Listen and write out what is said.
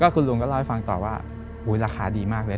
คุณลุงก็เล่าให้ฟังต่อว่าราคาดีมากเลย